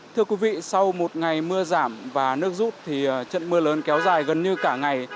thưa quý vị sau một ngày mưa giảm và nước rút trận mưa lớn kéo dài gần như cả ngày